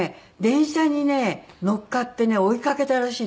電車にね乗っかってね追い掛けたらしいですよ。